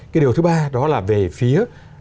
cái điều thứ ba đó là về phía